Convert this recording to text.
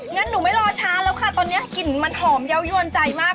งั้นหนูไม่รอช้าแล้วค่ะตอนนี้กลิ่นมันหอมเยาวยวนใจมาก